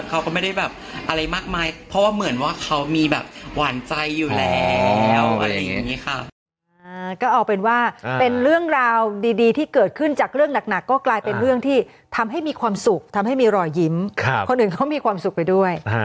เขาก็ไม่ได้อะไรมากมายเพราะว่าเหมือนว่าเขามีหวานใจอยู่แล้ว